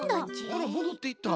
あらもどっていった。